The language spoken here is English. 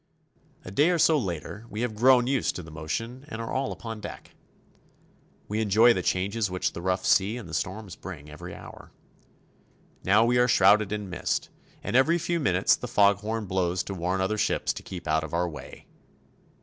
A day or so later we have grown used to the motion and are all upon deck. We enjoy the changes which the rough sea and the storms bring every hour. Now we are shrouded in mist, and every few minutes the fog horn blows to warn other ships to keep out of our way.